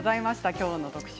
きょうの特集